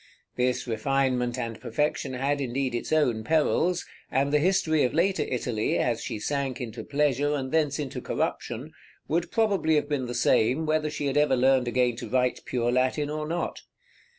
This refinement and perfection had indeed its own perils, and the history of later Italy, as she sank into pleasure and thence into corruption, would probably have been the same whether she had ever learned again to write pure Latin or not.